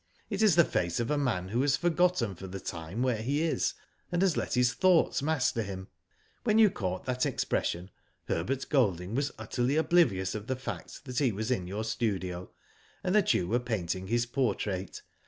It is the face of a man who has forgotten for the time where he is, and has let his thoughts master him. When you caught that expression Herbert Golding was utterly oblivious of the fact that he was in your studio, and that you were painting his portrait.